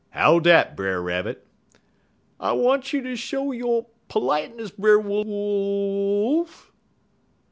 "'How dat, Brer Rabbit?' "'I want you ter show yo' p'liteness, Brer Wooly ooly oolf!'